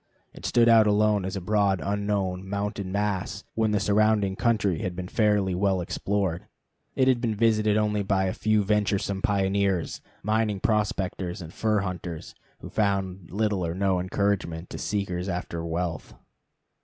It stood out alone as a broad unknown mountain mass when the surrounding country had been fairly well explored. It had been visited only by a few venturesome pioneers, mining prospectors, and fur hunters, who found little or no encouragement to seekers after wealth.